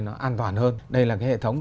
nó an toàn hơn đây là cái hệ thống